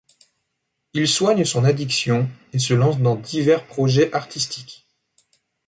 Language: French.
Il soigne son addiction et se lance dans divers projets artistiques.